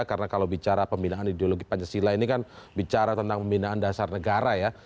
karena kalau bicara pembinaan ideologi pancasila ini kan bicara tentang pembinaan dasar negara ya